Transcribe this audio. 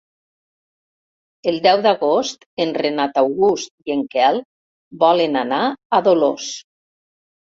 El deu d'agost en Renat August i en Quel volen anar a Dolors.